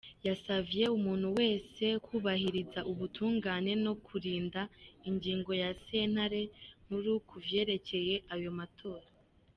Yasavye umuntu wese kwubahiriza ubutungane no kurindira ingingo ya sentare nkuru kuvyerekeye ayo matora.